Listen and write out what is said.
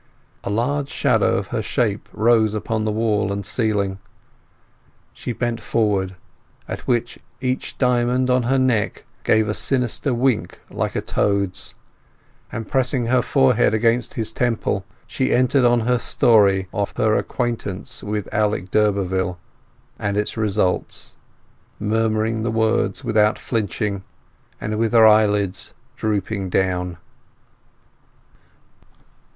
A large shadow of her shape rose upon the wall and ceiling. She bent forward, at which each diamond on her neck gave a sinister wink like a toad's; and pressing her forehead against his temple she entered on her story of her acquaintance with Alec d'Urberville and its results, murmuring the words without flinching, and with her eyelids drooping down.